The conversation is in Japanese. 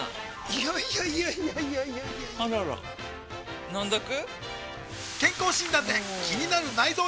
いやいやいやいやあらら飲んどく？